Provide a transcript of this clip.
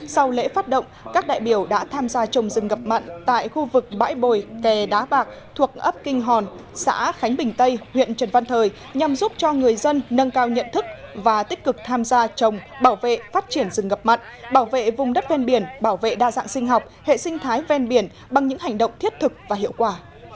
sau lễ phát động các đại biểu đã tham gia trồng rừng ngập mặn tại khu vực bãi bồi kè đá bạc thuộc ấp kinh hòn xã khánh bình tây huyện trần văn thời nhằm giúp cho người dân nâng cao nhận thức và tích cực tham gia trồng bảo vệ phát triển rừng ngập mặn bảo vệ vùng đất ven biển bảo vệ đa dạng sinh học hệ sinh thái ven biển bằng những hành động thiết thực và hiệu quả